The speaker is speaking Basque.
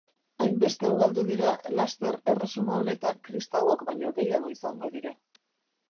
Hainbeste ugaldu dira, laster erresuma honetan kristauok baino gehiago izango dira.